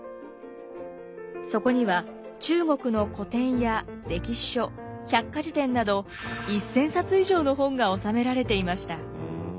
そこには中国の古典や歴史書百科事典など１，０００冊以上の本が収められていました。